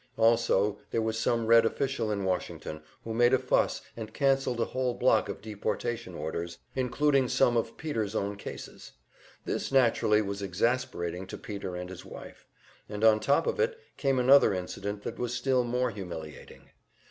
Also there was some Red official in Washington, who made a fuss and cancelled a whole block of deportation orders, including some of Peter's own cases. This, naturally, was exasperating to Peter and his wife; and on top of it came another incident that was still more humiliating.